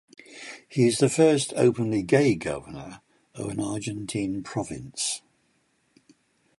He is the first openly gay governor of an Argentine province.